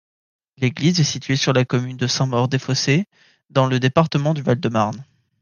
L'église est située sur la commune de Saint-Maur-des-Fossés, dans le département du Val-de-Marne.